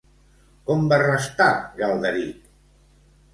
Com va restar, Galderic?